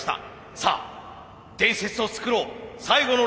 さあ伝説を作ろう最後のレースで。